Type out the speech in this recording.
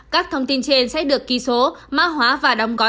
các thông tin trên sẽ được ký số mã hóa và đóng gói